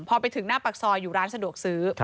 พอไปถึงหน้าปากซอยอยู่ร้านสะดวกซื้อ